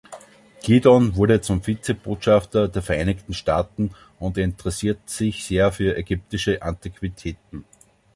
Gliddon wurde zum Vize-Botschafter der Vereinigten Staaten und interessierte sich sehr für ägyptische Antiquitäten.